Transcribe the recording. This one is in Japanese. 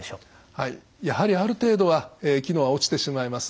はいやはりある程度は機能は落ちてしまいます。